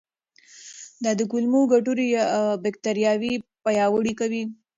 دا د کولمو ګټورې باکتریاوې پیاوړې کوي.